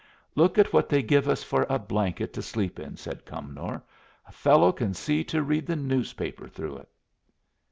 "Look at what they give us for a blanket to sleep in," said Cumnor. "A fellow can see to read the newspaper through it."